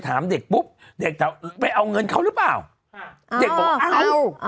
ถามเด็กปุ๊บเด็กถามไปเอาเงินเขาหรือเปล่าเด็กบอกว่าอ้าว